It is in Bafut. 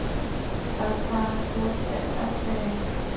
À sɔ̀ɔ̀ntə mfɛ̀ɛ a abɛɛ.